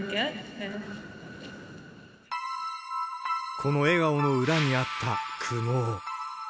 この笑顔の裏にあった苦悩。